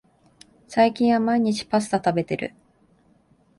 最近は毎日パスタ食べてる